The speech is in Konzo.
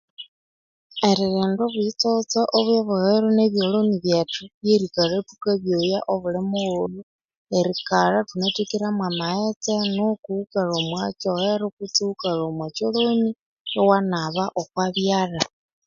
Eririnda obuyitsotse obwe ebyowero nebyoloni byethu lyerikalha ithuka byoya obuli mughulhu, erikalha ithunathekire mwa amaghetse nuku iwukalhwa omwa kyoghero kwesi iwukalha omwa kyoloni iwanaba okwa byalha.